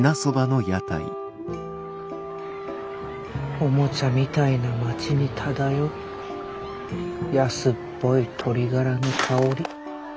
おもちゃみたいな町に漂う安っぽい鶏ガラの香り。